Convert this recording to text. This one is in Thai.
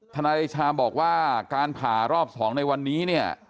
นายเดชาบอกว่าการผ่ารอบ๒ในวันนี้เนี่ย